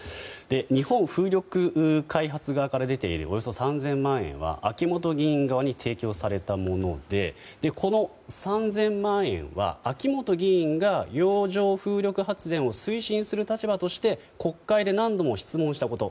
日本風力開発側から出ているおよそ３０００万円は秋本議員側に提供されたものでこの３０００万円は秋本議員が洋上風力発電を推進する立場として国会で何度も質問したこと。